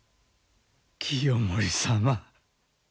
清盛様。